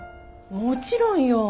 もちろんよ。